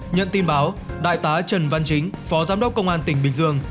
nhận tin báo đại tá trần văn chính phó giám đốc công an tỉnh bình dương